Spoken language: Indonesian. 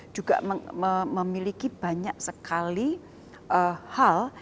juga memiliki banyak sekali hal